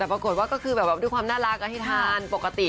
แต่ปรากฏว่าก็คือแบบด้วยความน่ารักให้ทานปกติ